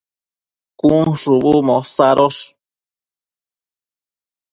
cun shubu mosadosh